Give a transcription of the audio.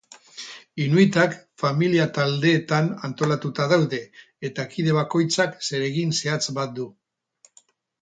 Inuitak familia-taldeetan antolatuta daude, eta kide bakoitzak zeregin zehatz bat du.